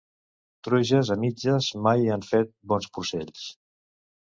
Truges a mitges mai han fet bons porcells.